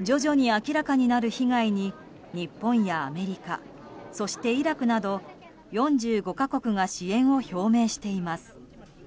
徐々に明らかになる被害に日本やアメリカそしてイラクなど４５か国が支援を表明しています。